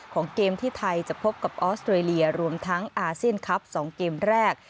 ของเกมที่ไทยจะพบกับออสเตรเลียรวมทั้งอาเซียนคลับ๒เกมแรก